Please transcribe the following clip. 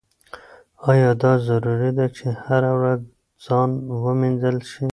ایا دا ضروري ده چې هره ورځ ځان مینځل شي؟